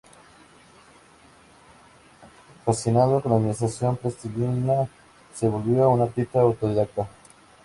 Fascinado con la animación en plastilina, se volvió un artista autodidacta.